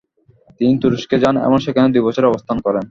তিনি তুরস্কে যান এবং সেখানে দুই বছর অবস্থান করেন।